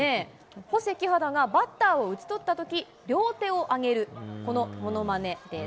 ホセ・キハダがバッターを打ち取ったとき、両手を上げる、このものまねです。